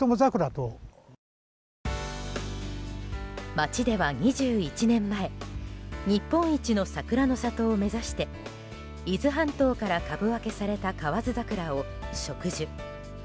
町では２１年前日本一の桜の里を目指して伊豆半島から株分けされた河津桜を植樹。